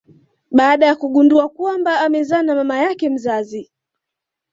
baada ya kugundua kwamba amezaa na mama yake mzazi.